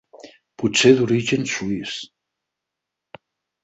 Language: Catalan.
Potser d'origen suís.